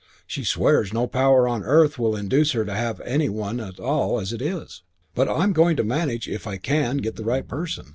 She swears no power on earth will induce her to have any one at all as it is. But I'm going to manage it if I can get the right person.